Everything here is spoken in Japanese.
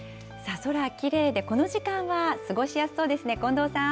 空きれいでこの時間は、過ごしやすそうですね、近藤さん。